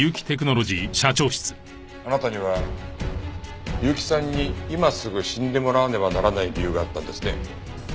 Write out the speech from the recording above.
あなたには結城さんに今すぐ死んでもらわねばならない理由があったんですね。